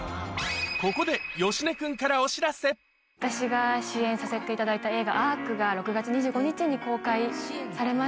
ここで私が主演させていただいた映画『Ａｒｃアーク』が６月２５日に公開されます。